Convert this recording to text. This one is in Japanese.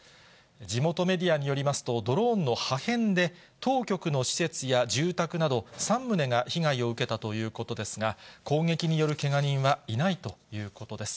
地元メディアによりますと、ドローンの破片で、当局の施設や住宅など、３棟が被害を受けたということですが、攻撃によるけが人はいないということです。